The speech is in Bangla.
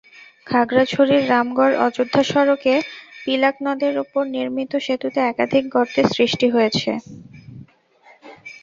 খাগড়াছড়ির রামগড়-অযোদ্ধা সড়কে পিলাক নদের ওপর নির্মিত সেতুতে একাধিক গর্তের সৃষ্টি হয়েছে।